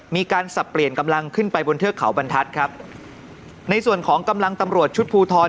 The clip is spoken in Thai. สับเปลี่ยนกำลังขึ้นไปบนเทือกเขาบรรทัศน์ครับในส่วนของกำลังตำรวจชุดภูทร